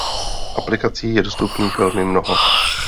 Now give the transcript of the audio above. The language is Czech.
Aplikací je dostupných velmi mnoho.